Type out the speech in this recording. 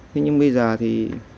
thế nhưng bây giờ thì